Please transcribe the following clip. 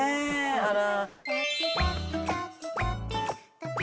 あら。